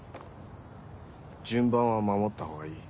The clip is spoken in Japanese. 順番は守ったほうがいい。